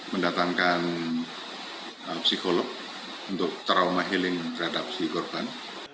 mendatangkan psikolog untuk trauma healing terhadap si korban